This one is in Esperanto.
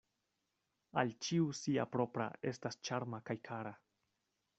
Al ĉiu sia propra estas ĉarma kaj kara.